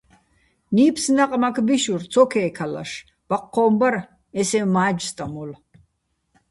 ნიფს ნაყმაქ ბიშურ, ცო ქე́ქალაშ, ბაჴჴო́ჼ ბარ, ე სეჼ მა́ჯსტამოლ.